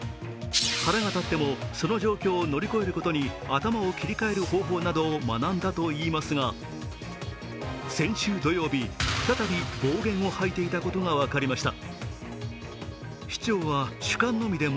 腹が立ってもその状況を乗り越えることに頭を切り替える方法などを学んだといいますが先週土曜日、再び暴言を吐いていたことが分かりました。